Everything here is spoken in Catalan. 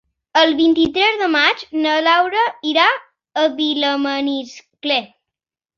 El vint-i-tres de maig na Laura irà a Vilamaniscle.